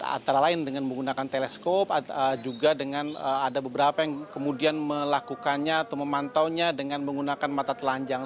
antara lain dengan menggunakan teleskop juga dengan ada beberapa yang kemudian melakukannya atau memantaunya dengan menggunakan mata telanjang